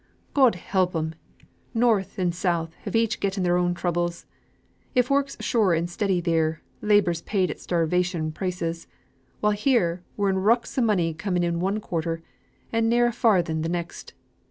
"God help 'em! North an' South have each getten their own troubles. If work's sure and steady theer, labour's paid at starvation wages; while here we'n rucks o' money coming in one quarter, and ne'er a farthing th' next.